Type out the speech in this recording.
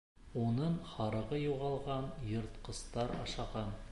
Уның һарығы юғалған, йыртҡыстар ашаған.